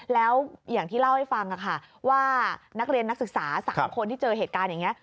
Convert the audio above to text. แล้วอย่างที่เล่าให้ฟังค่ะว่านักเรียนนักศึกษา๓คนที่เจอเหตุการณ์อย่างนี้